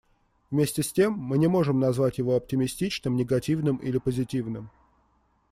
Вместе с тем, мы не можем назвать его оптимистичным, негативным или позитивным.